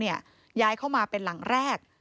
ย้ายเข้ามาเป็นหลังแรก